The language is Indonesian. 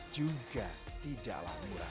juga tidaklah murah